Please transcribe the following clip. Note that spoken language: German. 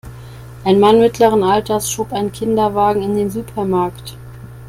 Ein Mann mittleren Alters schob einen Kinderwagen in den Supermarkt.